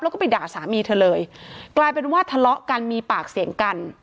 แล้วก็ไปด่าสามีเธอเลยกลายเป็นว่าทะเลาะกันมีปากเสียงกัน